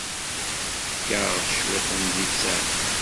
Fket-aɣ cwiṭ n littseɛ.